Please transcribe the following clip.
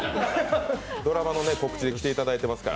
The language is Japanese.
ドラマの告知に来ていただいていますから。